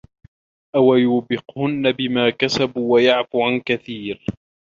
أَو يوبِقهُنَّ بِما كَسَبوا وَيَعفُ عَن كَثيرٍ